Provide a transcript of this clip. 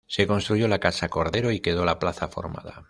Se construyó la Casa Cordero y quedó la plaza formada.